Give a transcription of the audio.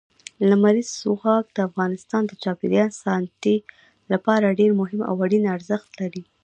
لمریز ځواک د افغانستان د چاپیریال ساتنې لپاره ډېر مهم او اړین ارزښت لري.